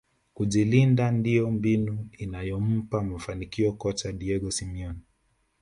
kujilinda ndio mbinu inayompa mafanikio kocha diego simeone